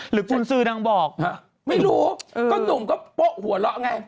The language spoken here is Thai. หรือภูนซื้อนางบอกไม่รู้ก็หนุ่มก็โปะหัวเลาะไง